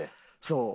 そう。